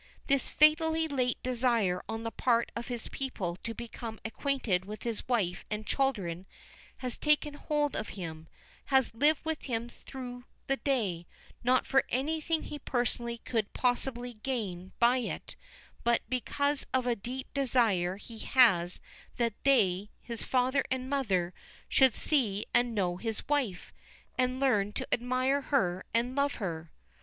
This fatally late desire on the part of his people to become acquainted with his wife and children has taken hold of him, has lived with him through the day, not for anything he personally could possibly gain by it, but because of a deep desire he has that they, his father and mother, should see and know his wife, and learn to admire her and love her.